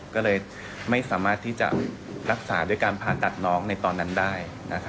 ก็เลยไม่สามารถที่จะรักษาด้วยการผ่าตัดน้องในตอนนั้นได้